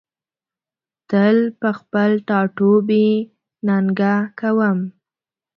تل په خپل ټاټوبي ننګه کوم